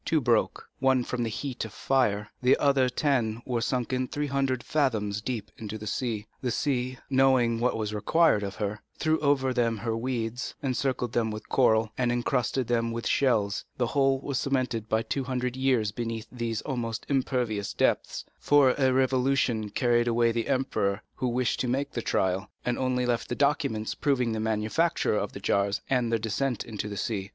Two broke, from the heat of the fire; the other ten were sunk three hundred fathoms deep into the sea. The sea, knowing what was required of her, threw over them her weeds, encircled them with coral, and encrusted them with shells; the whole was cemented by two hundred years beneath these almost impervious depths, for a revolution carried away the emperor who wished to make the trial, and only left the documents proving the manufacture of the jars and their descent into the sea.